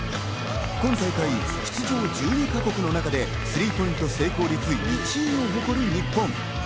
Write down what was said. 今大会出場１２か国の中でスリーポイント成功率１位を誇る日本。